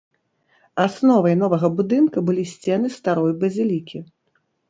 Асновай новага будынка былі сцены старой базілікі.